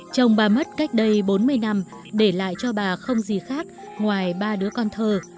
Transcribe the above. chồng bà mất cách đây bốn mươi năm để lại cho bà không gì khác ngoài ba đứa con thơ